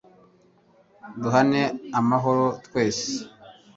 duhane amahoro twese